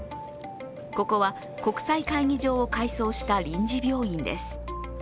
ここは国際会議場を改装した臨時病院です。